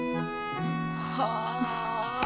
はあ。